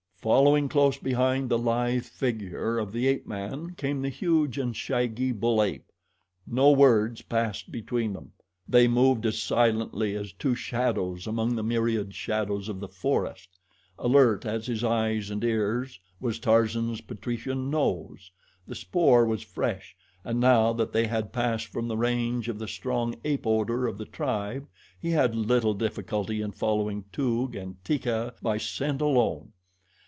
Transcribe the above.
Following close behind the lithe figure of the ape man came the huge and shaggy bull ape. No words passed between them. They moved as silently as two shadows among the myriad shadows of the forest. Alert as his eyes and ears, was Tarzan's patrician nose. The spoor was fresh, and now that they had passed from the range of the strong ape odor of the tribe he had little difficulty in following Toog and Teeka by scent alone.